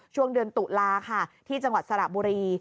ช่วงเดือนตุลาค่ะที่จังหวัดสระบุรี